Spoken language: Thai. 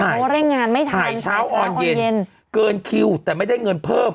เพราะว่าเร่งงานไม่ถ่ายเช้าอ่อนเย็นเกินคิวแต่ไม่ได้เงินเพิ่ม